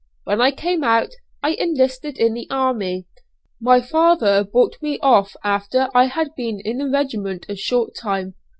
When I came out I enlisted in the army. My father bought me off after I had been in the regiment a short time.